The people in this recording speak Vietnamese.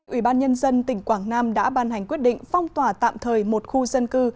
ủy ban nhân dân tỉnh quảng nam đã ban hành quyết định phong tỏa tạm thời một khu dân cư